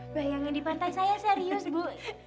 bayangin di pantai saya serius bu